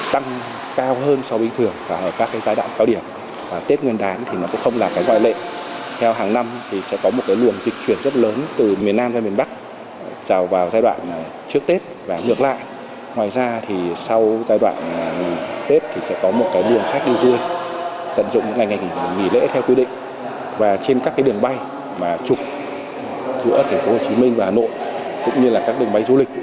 trong các đường bay mà trục giữa thành phố hồ chí minh và hà nội cũng như là các đường bay du lịch